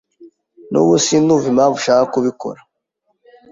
Nubu sindumva impamvu ushaka kubikora.